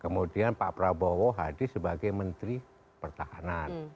kemudian pak prabowo hadir sebagai menteri pertahanan